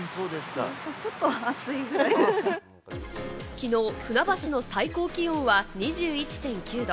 きのう船橋の最高気温は２１．９度。